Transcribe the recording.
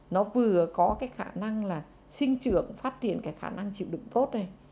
nó vừa có cái khả năng là sinh trưởng phát triển cái khả năng chịu đựng tốt này